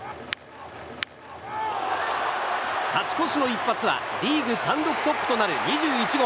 勝ち越しの一発はリーグ単独トップとなる２１号。